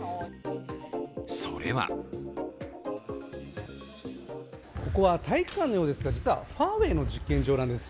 それはここは体育館のようですが、実はファーウェイの実験場なんです。